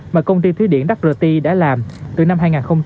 mà công ty thúy điện đắc rỡ ti đã làm từ năm hai nghìn một mươi hai